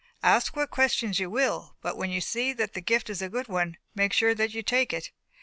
Ask what questions you will, but when you see that the gift is a good one, make sure that you take it.